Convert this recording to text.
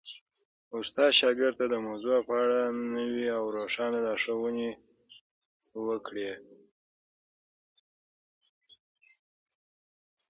استاد شاګرد ته د موضوع په اړه نوي او روښانه لارښووني وکړي.